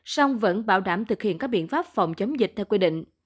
song vẫn bảo đảm thực hiện các biện pháp phòng chống dịch theo quy định